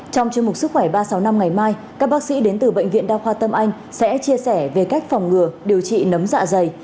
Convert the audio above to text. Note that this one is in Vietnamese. trong chương mục sức khỏe ba trăm sáu mươi năm ngày mai các bác sĩ đến từ bệnh viện đa khoa tâm anh sẽ chia sẻ về cách phòng ngừa điều trị nấm dạ dày